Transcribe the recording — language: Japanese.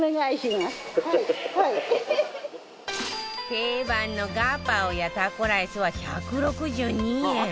定番のガパオやタコライスは１６２円